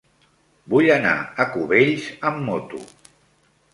Vull anar a Cubells amb moto.